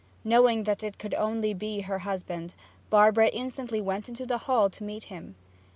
Knowing that it could only be her husband, Barbara instantly went into the hall to meet him.